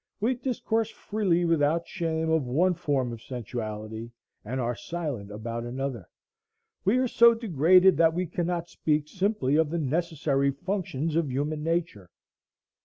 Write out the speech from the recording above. We discourse freely without shame of one form of sensuality, and are silent about another. We are so degraded that we cannot speak simply of the necessary functions of human nature.